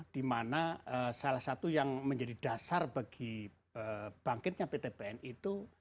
dimana salah satu yang menjadi dasar bagi bangkitnya pt pn itu